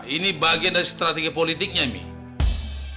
ini bagian dari strategi politiknya ini